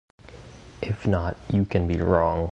If not, you can be wrong.